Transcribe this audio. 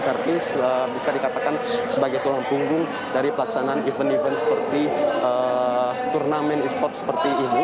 karena bisa dikatakan sebagai tulang punggung dari pelaksanaan event event seperti turnamen esports seperti ini